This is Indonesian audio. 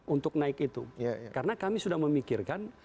untuk naik itu karena kami sudah memikirkan